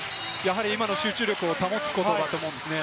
今の集中力を保つことだと思うんですね。